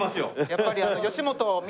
やっぱり。